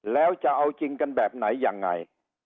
แล้วจะเอาจริงกันแบบไหนยังไง